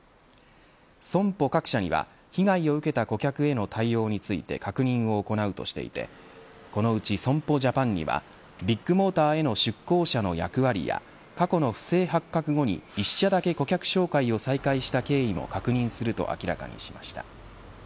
損保各社には被害を受けた顧客への対応について確認を行うとしていてこのうち、損保ジャパンにはビッグモーターへの出向者の役割や過去の不正発覚後に１社だけ顧客紹介を再開した経緯も確認すると明らかにしました。